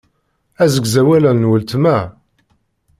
Asegzawal-a n weltma.